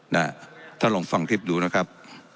ท่านลองฟังคลิปดูนะครับ